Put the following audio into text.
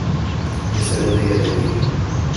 ليس لدي دليل.